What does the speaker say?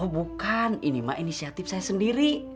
oh bukan ini mah inisiatif saya sendiri